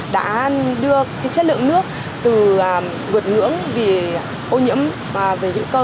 đã đưa chất lượng nước từ vượt ngưỡng về ô nhiễm và về hữu cơ